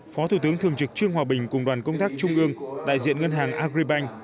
phó thủ tướng thường trực trương hòa bình cùng đoàn công tác trung ương đại diện ngân hàng agribank